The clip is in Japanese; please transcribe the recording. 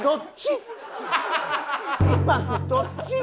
今のどっち？